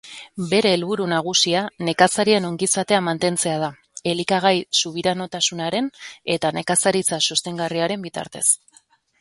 Bere helburu nagusia nekazarien ongizatea mantentzea da, elikagai-subiranotasunaren eta nekazaritza sostengarriaren bitartez.